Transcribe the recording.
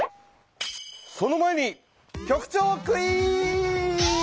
その前に局長クイズ！